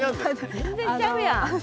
全然ちゃうやん。